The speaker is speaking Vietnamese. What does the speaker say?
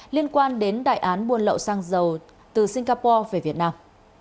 liên quan đến đại án buôn lậu xăng dầu từ singapore về việt nam